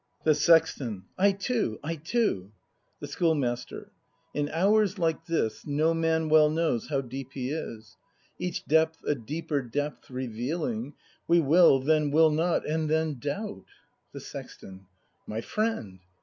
The Sexton. I too, I too ! The Schoolmaster. In hours like this No man well knows how deep he is. Each depth a deeper depth revealing, We will, then will not, and then doubt The Sexton. My friend